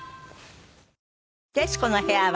『徹子の部屋』は